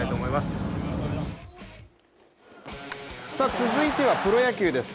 続いてはプロ野球です。